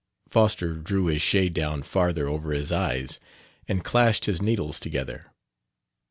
Foster drew his shade down farther over his eyes and clashed his needles together.